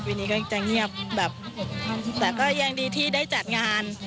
ปีนี้ก็จะเงียบแบบแต่ก็ยังดีที่ได้จัดงาน